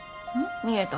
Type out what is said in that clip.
見えた。